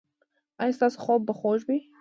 ایا ستاسو خوب به خوږ وي؟